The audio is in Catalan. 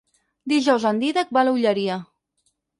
Dijous en Dídac va a l'Olleria.